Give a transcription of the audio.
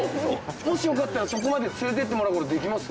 もしよかったらそこまで連れていってもらう事できます？